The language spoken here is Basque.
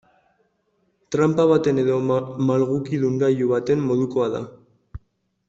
Tranpa baten edo malgukidun gailu baten modukoa da.